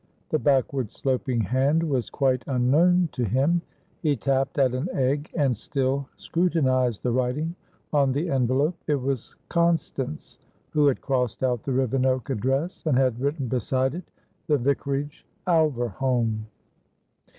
The backward sloping hand was quite unknown to him. He tapped at an egg, and still scrutinised the writing on the envelope; it was Constance who had crossed out the Rivenoak address, and had written beside it "The Vicarage, Alverholme."